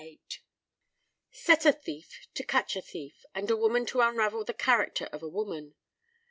VIII Set a thief to catch a thief, and a woman to unravel the character of a woman.